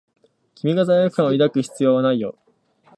君が罪悪感を抱く必要はないよ。